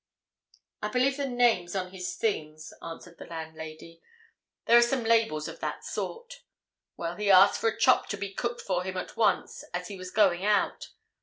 "I believe the name's on his things," answered the landlady. "There are some labels of that sort. Well, he asked for a chop to be cooked for him at once, as he was going out.